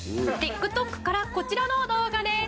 「ＴｉｋＴｏｋからこちらの動画です」